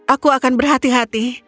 aku akan berhati hati